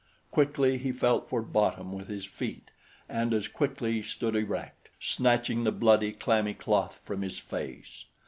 Quickly he felt for bottom with his feet and as quickly stood erect, snatching the bloody, clammy cloth from his face.